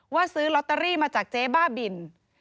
ซื้อลอตเตอรี่มาจากเจ๊บ้าบิน